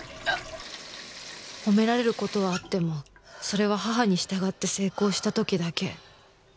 褒められる事はあってもそれは母に従って成功した時だけ